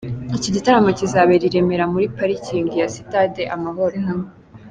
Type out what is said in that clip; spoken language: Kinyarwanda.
Iki gitaramo kizabera i Remera muri parikingi ya sitade Amahoro.